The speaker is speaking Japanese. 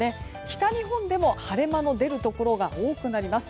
北日本でも晴れ間の出るところが多くなります。